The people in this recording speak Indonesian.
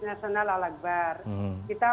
nasional al aqbar kita